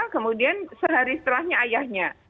kemudian sehari setelahnya ayahnya